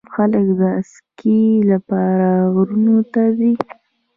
خلک د اسکی لپاره غرونو ته ځي.